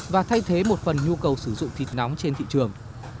và thay thế một phần nhu cầu sử dụng thịt nóng trên thị trường